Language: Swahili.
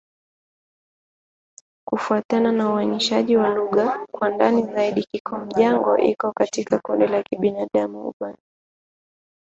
Kufuatana na uainishaji wa lugha kwa ndani zaidi, Kimom-Jango iko katika kundi la Kiadamawa-Ubangi.